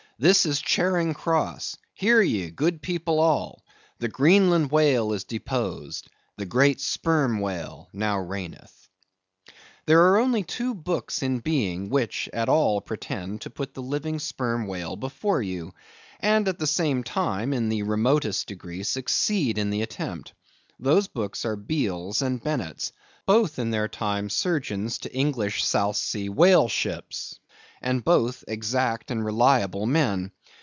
This is Charing Cross; hear ye! good people all,—the Greenland whale is deposed,—the great sperm whale now reigneth! There are only two books in being which at all pretend to put the living sperm whale before you, and at the same time, in the remotest degree succeed in the attempt. Those books are Beale's and Bennett's; both in their time surgeons to English South Sea whale ships, and both exact and reliable men.